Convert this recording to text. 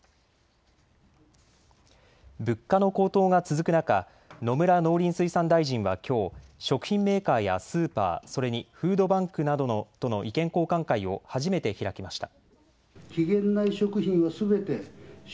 物価の高騰が続く中、野村農林水産大臣はきょう食品メーカーやスーパー、それにフードバンクなどとの意見交換会を初めて開きました。